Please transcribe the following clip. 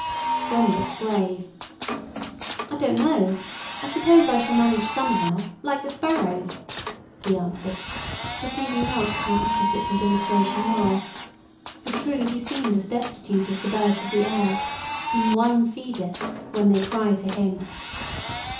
John looked grave. "I don't know: I suppose I shall manage somehow like the sparrows," he answered, perceiving not how apposite his illustration was. For truly he seemed as destitute as the birds of the air, whom ONE feedeth, when they cry to Him.